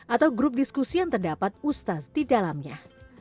atau grup diskusi yang terdapat ustaz di dalamnya